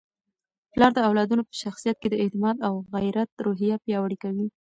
پلار د اولادونو په شخصیت کي د اعتماد او غیرت روحیه پیاوړې کوي.